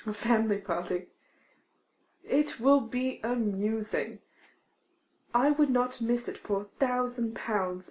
A family party; it will be amusing! I would not miss it for a thousand pounds.